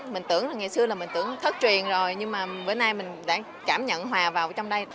mình tưởng là ngày xưa là mình tưởng thất truyền rồi nhưng mà bữa nay mình đã cảm nhận hòa vào trong đây